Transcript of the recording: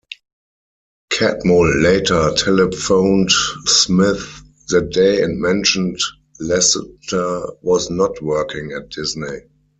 Catmull later telephoned Smith that day and mentioned Lasseter was not working at Disney.